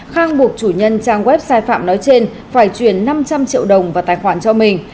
khang buộc chủ nhân trang web sai phạm nói trên phải chuyển năm trăm linh triệu đồng vào tài khoản cho mình